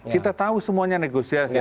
kita tahu semuanya negosiasi